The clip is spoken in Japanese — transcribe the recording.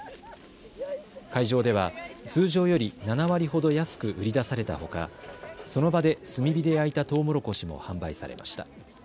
会場では通常より７割ほど安く売り出されたほかその場で炭火で焼いたとうもろこしも販売されました。